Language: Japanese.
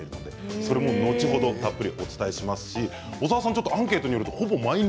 それも後ほどたっぷりとお伝えしますし、小沢さんアンケートによると、ほぼ毎日。